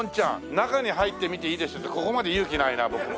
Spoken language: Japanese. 中に入って見ていいですよってここまで勇気ないな僕も。